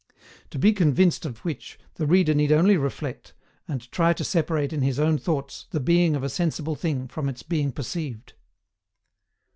]. To be convinced of which, the reader need only reflect, and try to separate in his own thoughts the being of a sensible thing from its being perceived.